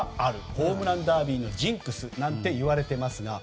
ホームランダービーのジンクスなんて言われていますが。